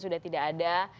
sudah tidak ada